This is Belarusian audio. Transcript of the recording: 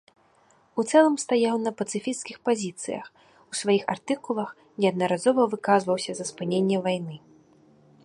У цэлым стаяў на пацыфісцкіх пазіцыях, у сваіх артыкулах неаднаразова выказваўся за спыненне вайны.